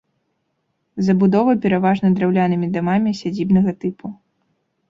Забудова пераважна драўлянымі дамамі сядзібнага тыпу.